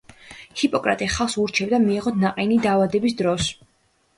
ჰიპოკრატე ხალხს ურჩევდა მიეღოთ ნაყინი დაავადების დროს.